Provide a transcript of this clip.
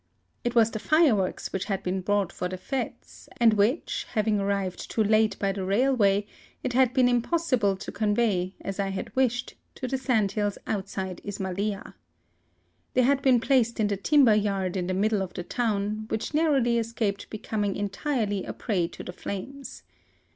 It was the fireworks which had been brought for the fStes, and which, hav ing arrived too late by the railway, it had been impossible to convey, as I had wished, to the sandhills outside Isma'ilia. They had been placed in the timber yard in the middle of the town, which narrowly escaped becom ing entirely a prey to the flames.